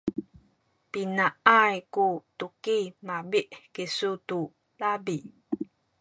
pinaay ku tuki mabi’ kisu tu labi?